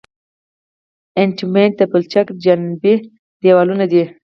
ابټمنټ د پلچک جانبي دیوالونه دي